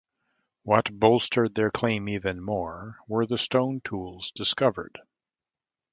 What bolstered their claim even more were the stone tools discovered.